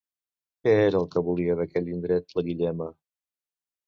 Què era el que volia d'aquell indret la Guillema?